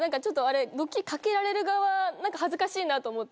ドッキリかけられる側何か恥ずかしいなと思って。